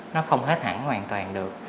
nó không hết hẳn hoàn toàn được